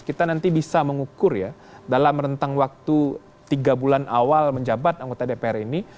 kita nanti bisa mengukur ya dalam rentang waktu tiga bulan awal menjabat anggota dpr ini